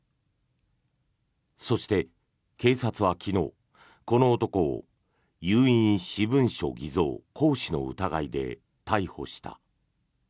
そして、警察は昨日この男を有印私文書偽造・行使の疑いで逮捕した。